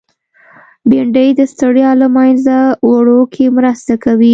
بېنډۍ د ستړیا له منځه وړو کې مرسته کوي